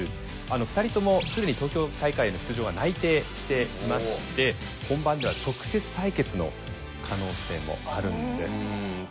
２人とも既に東京大会への出場は内定していまして本番では直接対決の可能性もあるんです。